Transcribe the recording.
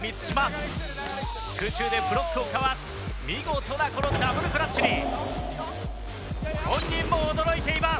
空中でブロックをかわす見事なこのダブルクラッチに本人も驚いています！